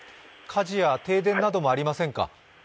火事や停電などもありませんか？